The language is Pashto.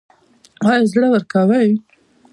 ایا زړه ورکوئ؟